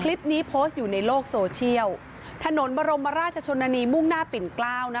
โพสต์อยู่ในโลกโซเชียลถนนบรมราชชนนานีมุ่งหน้าปิ่นเกล้านะคะ